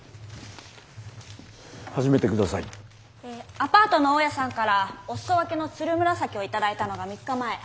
アパートの大家さんからお裾分けのつるむらさきを頂いたのが３日前。